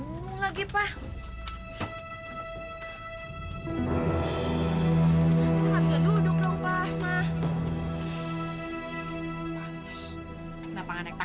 nanti aku nanti bakal cut